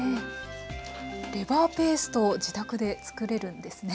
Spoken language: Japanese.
レバーペースト自宅で作れるんですね。